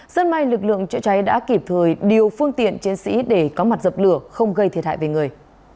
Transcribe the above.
dân may lực lượng chữa cháy đã kịp thời điều phương tiện chiến sĩ để có mặt dập lửa không gây thiệt hại về người